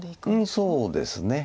そうですね。